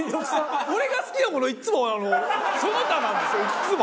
俺が好きなものいつもその他なんですよいつも！